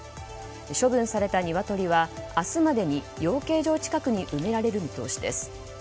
処分されたニワトリは明日までに養鶏場近くに埋められる見通しです。